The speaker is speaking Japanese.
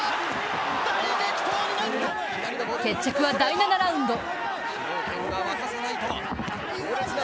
決着は第７ラウンド。